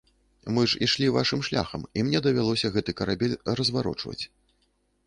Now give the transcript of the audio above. Мы ж ішлі вашым шляхам, і мне давялося гэты карабель разварочваць.